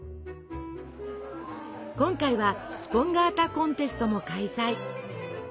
今回はスポンガータコンテストも開催。